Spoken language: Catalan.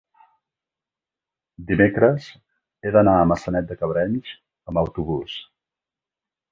dimecres he d'anar a Maçanet de Cabrenys amb autobús.